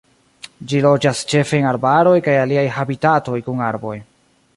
Ĝi loĝas ĉefe en arbaroj kaj aliaj habitatoj kun arboj.